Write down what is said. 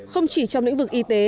không chỉ trong lĩnh vực y tế